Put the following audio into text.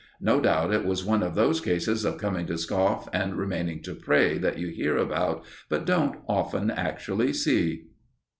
No doubt it was one of those cases of coming to scoff and remaining to pray that you hear about, but don't often actually see.